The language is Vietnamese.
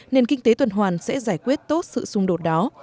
nền kinh tế tuần hoàn sẽ giải quyết tốt sự xung đột đó